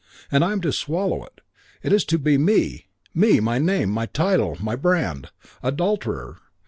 And I am to swallow it. It is to be me, me, my name, my title, my brand. Adulterer!